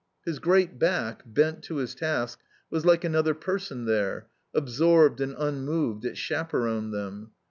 His great back, bent to his task, was like another person there; absorbed and unmoved, it chaperoned them.